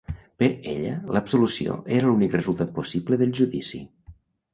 Per ella, l’absolució era l’únic resultat possible del judici.